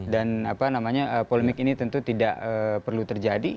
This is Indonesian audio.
polemik ini tentu tidak perlu terjadi